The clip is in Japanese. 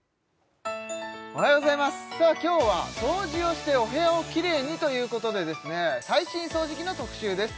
おはようございますさあ今日は掃除をしてお部屋をキレイにということで最新掃除機の特集です